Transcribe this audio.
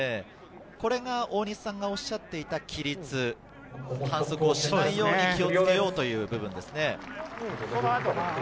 これが大西さんがおっしゃっていた規律、反則をしないように気をつけようという部分ですね。